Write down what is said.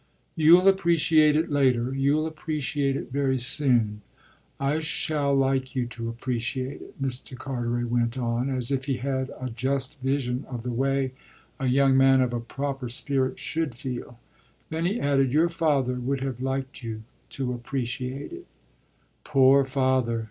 "You'll appreciate it later you'll appreciate it very soon. I shall like you to appreciate it," Mr. Carteret went on as if he had a just vision of the way a young man of a proper spirit should feel. Then he added; "Your father would have liked you to appreciate it." "Poor father!"